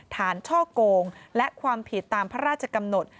ช่อกงและความผิดตามพระราชกำหนด